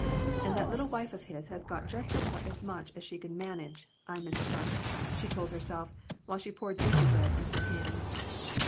" And that little wife of his has got just about as much as she can manage, I mistrust," she told herself while she poured gingerbread into the pans.